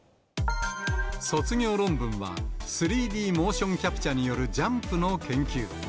卒業論文は、３Ｄモーションキャプチャによるジャンプの研究。